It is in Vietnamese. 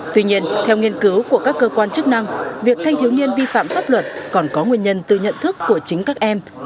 tuy nhiên theo nghiên cứu của các cơ quan chức năng việc thanh thiếu niên vi phạm pháp luật còn có nguyên nhân từ nhận thức của chính các em